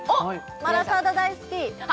マラサダ大好き！